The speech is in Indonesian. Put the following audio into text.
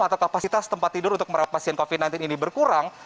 atau kapasitas tempat tidur untuk merawat pasien covid sembilan belas ini berkurang